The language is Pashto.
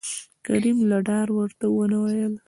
کريم له ډاره ورته ونه ويل